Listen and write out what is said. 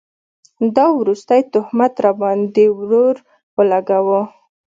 دا وروستی تهمت راباند ې ورور اولګوو